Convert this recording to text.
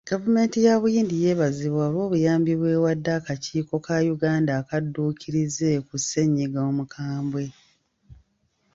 Gavumenti ya Buyindi yeebazibwa olw'obuyambi bw'ewadde akakiiko ka Uganda akadduukirize ku ssennyiga omukambwe.